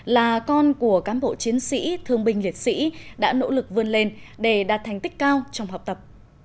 là con của cán bộ chiến sĩ thương binh liệt sĩ đã nỗ lực vươn lên để đạt thành tích cao trong học tập